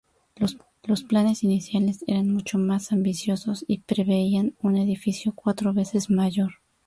Los planes iniciales eran mucho más ambiciosos y preveían un edificio cuatro veces mayor.